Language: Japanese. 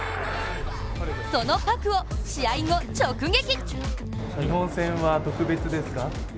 そのパクを試合後直撃。